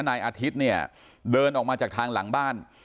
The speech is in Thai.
นายอาทิตย์เนี่ยเดินออกมาจากทางหลังบ้าน